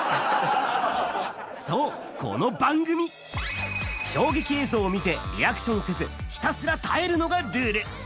そう、この番組、衝撃映像を見て、リアクションせず、ひたすら耐えるのがルール。